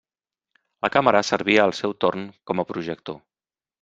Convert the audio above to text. La càmera servia al seu torn com a projector.